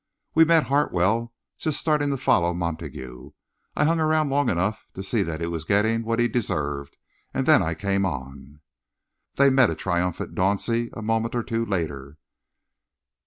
We met Hartwell just starting to follow Montague. I hung round long enough to see that he was getting what he deserved, and then I came on." They met a triumphant Dauncey, a moment or two later.